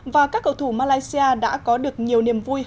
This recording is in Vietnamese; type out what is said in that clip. và các cầu thủ malaysia đã có được nhiều niềm vui